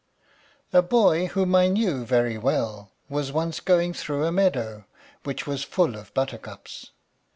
A boy, whom I knew very well, was once going through a meadow, which was full of buttercups.